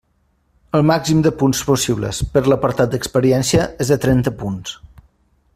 El màxim de punts possible per l'apartat d'experiència és de trenta punts.